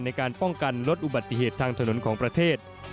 ในการป้องกันลดอุบัติเหตุทางถนนของประเทศ